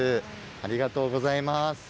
ありがとうございます。